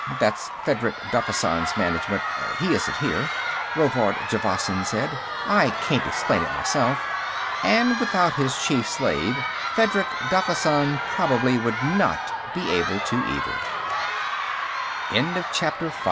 "That's Fedrig Daffysan's Management; he isn't here," Rovard Javasan said. "I can't explain it, myself." And without his chief slave, Fedrig Daffysan probably would not be able to, either. "Yes, gentlemen.